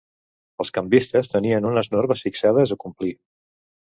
Els canvistes tenien unes normes fixades a complir.